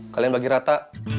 kalian bagi rata